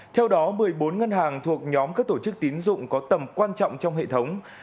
theo đó một mươi bốn ngân hàng thuộc nhóm các tổ chức tín dụng có tầm quan trọng trong hệ thống